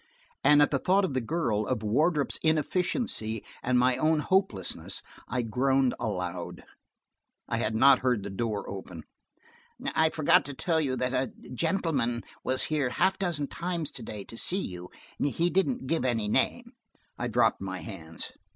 And at the thought of the girl, of Wardrop's inefficiency and my own hopelessness, I groaned aloud. I had not heard the door open. "I forgot to tell you that a gentleman was here half a dozen times to day to see you. He didn't give any name." I dropped my hands.